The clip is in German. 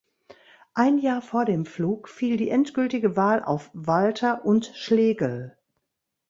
Ein Jahr vor dem Flug fiel die endgültige Wahl auf Walter und Schlegel.